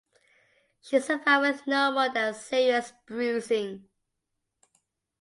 She survived with no more than serious bruising.